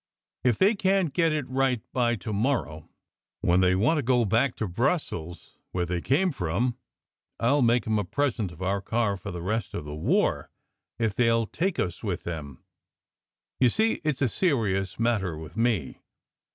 If they can t get it right by to morrow, when they want to go back to Brussels, where they came from, I ll make em a present of our car for the rest of the war, if they ll take us with them. You see, it s a serious matter with me.